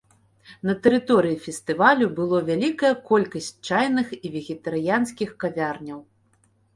На тэрыторыі фестывалю было вялікая колькасць чайных і вегетарыянскіх кавярняў.